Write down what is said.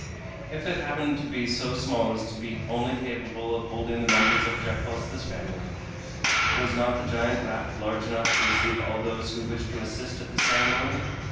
If it happened to be so small as to be only capable of holding the members of Dacosta's family, was not the giant raft large enough to receive all those who wished to assist at the ceremony?